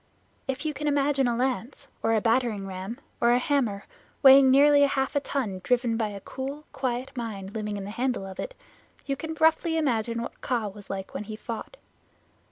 If you can imagine a lance, or a battering ram, or a hammer weighing nearly half a ton driven by a cool, quiet mind living in the handle of it, you can roughly imagine what Kaa was like when he fought.